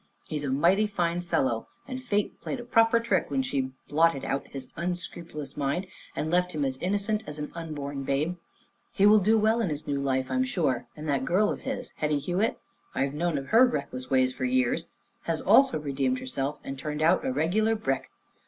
He's a mighty fine fellow, and Fate played a proper trick when she blotted out his unscrupulous mind and left him as innocent as an unborn babe. He will do well in his new life, I'm sure, and that girl of his, Hetty Hewitt I've know of her reckless ways for years has also redeemed herself and turned out a regular brick!